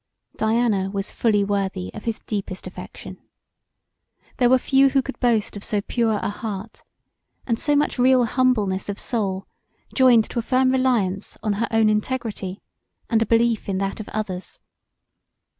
Diana was fully worthy of his deepest affection. There were few who could boast of so pure a heart, and so much real humbleness of soul joined to a firm reliance on her own integrity and a belief in that of others.